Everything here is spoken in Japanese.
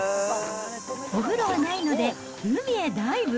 お風呂はないので、海へダイブ。